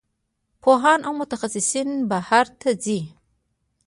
پوهان او متخصصین بهر ته ځي.